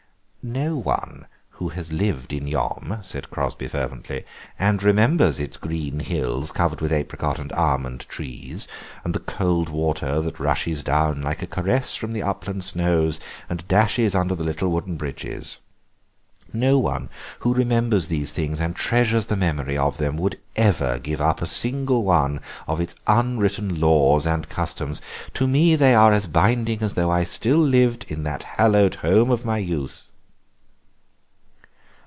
"No one who has lived in Yom," said Crosby fervently, "and remembers its green hills covered with apricot and almond trees, and the cold water that rushes down like a caress from the upland snows and dashes under the little wooden bridges, no one who remembers these things and treasures the memory of them would ever give up a single one of its unwritten laws and customs. To me they are as binding as though I still lived in that hallowed home of my youth."